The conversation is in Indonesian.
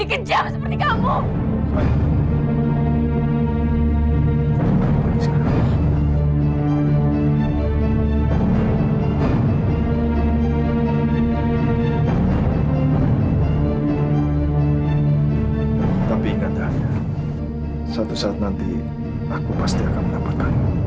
akan kutumpulkan ke nomor tidak